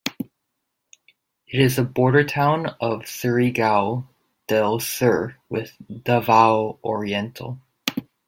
It is a border town of Surigao del Sur with Davao Oriental.